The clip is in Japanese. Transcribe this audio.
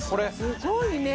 すごいね！